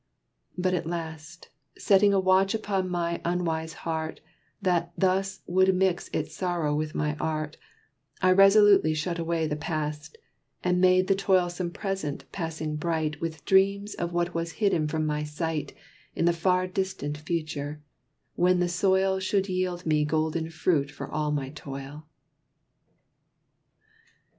But, at last, Setting a watch upon my unwise heart That thus would mix its sorrow with my art, I resolutely shut away the past, And made the toilsome present passing bright With dreams of what was hidden from my sight In the far distant future, when the soil Should yield me golden fruit for all my toil.